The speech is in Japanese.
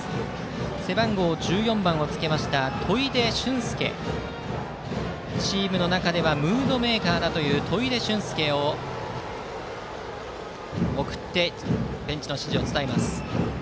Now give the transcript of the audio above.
背番号１４番をつけましたチームの中ではムードメーカーだという砥出隼介を送ってベンチの指示を伝えます。